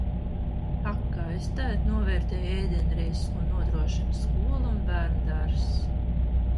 Ak, kā es tagad novērtēju ēdienreizes, ko nodrošina skola un bērnudārzs!